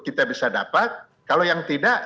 kita bisa dapat kalau yang tidak